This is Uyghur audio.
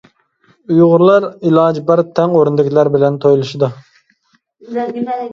ئۇيغۇرلار ئىلاجى بار تەڭ ئورۇندىكىلەر بىلەن تويلىشىدۇ.